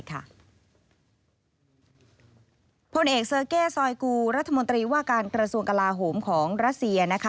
ผลเอกเซอร์เก้ซอยกูรัฐมนตรีว่าการกระทรวงกลาโหมของรัสเซีย